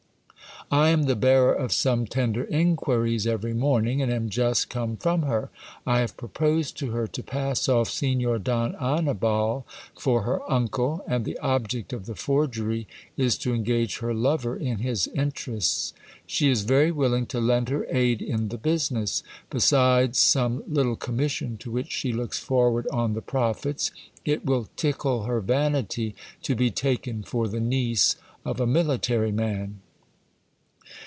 I am the bearer of some ten der inquiries every morning, and am just come from her. I have proposed to her to pass off Signor Don Annibal for her uncle, and the object of the forgery is to engage her lover in his interests. She is very willing to lend her aid in the business. Besides some little commission to which she looks forward on the profits, it will tickle her vanity to be taken for the niece of a military man.